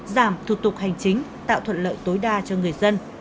giảm thủ tục hành chính tạo thuận lợi tối đa cho người dân